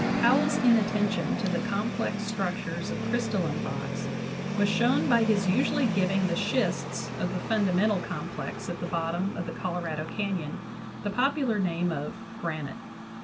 Powell's inatten tion to the complex structures of crystalline rocks was shown by his usually giving the schists of the fundamental complex at the bottom of the Colorado Canyon the popular name of "granite."